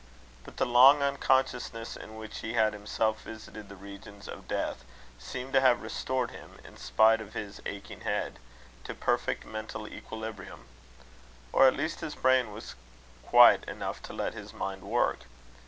But the long unconsciousness, in which he had himself visited the regions of death, seemed to have restored him, in spite of his aching head, to perfect mental equilibrium. Or, at least, his brain was quiet enough to let his mind work.